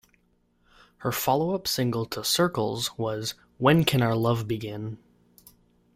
Her follow-up single to "Circles" was "When Can Our Love Begin".